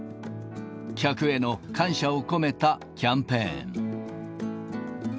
客への感謝を込めたキャンペーン。